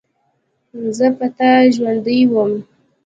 زه په تا ژوندۍ وم.